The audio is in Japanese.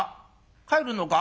帰るのか？